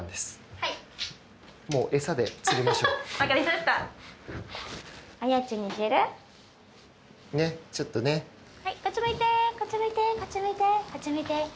はいこっち向いてこっち向いてこっち向いて。